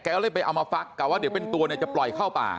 ก็เลยไปเอามาฟักกะว่าเดี๋ยวเป็นตัวเนี่ยจะปล่อยเข้าป่า